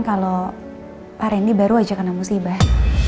kalau pak rendy baru ajak namu sibah